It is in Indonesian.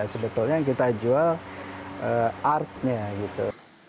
sebetulnya kita jual art nya gitu